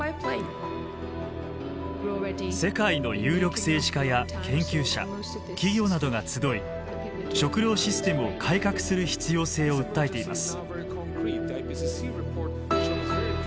世界の有力政治家や研究者企業などが集い食料システムを改革する必要性を訴えています。